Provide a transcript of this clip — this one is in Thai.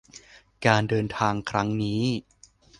การเดินทางครั้งนี้